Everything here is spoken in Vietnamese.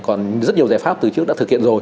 còn rất nhiều giải pháp từ trước đã thực hiện rồi